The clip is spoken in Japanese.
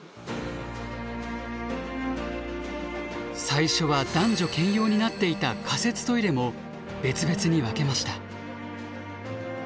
最初は男女兼用になっていた仮設トイレも別々に分けました。